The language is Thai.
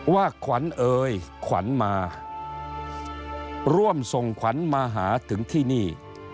ว่าขวัญเอยขวัญมาร่วมส่งขวัญมาหาถึงที่นี่